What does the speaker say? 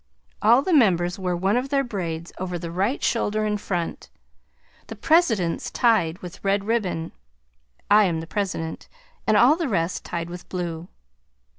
All the members wear one of their braids over the right shoulder in front; the president's tied with red ribbon (I am the president) and all the rest tied with blue.